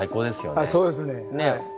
あっそうですね。